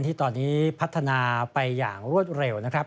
ที่ตอนนี้พัฒนาไปอย่างรวดเร็วนะครับ